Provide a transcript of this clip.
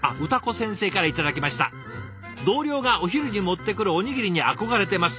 「同僚がお昼に持ってくるおにぎりに憧れてます。